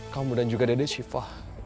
kamu dan juga dede siva